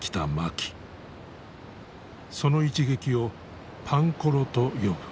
その一撃をパンコロと呼ぶ。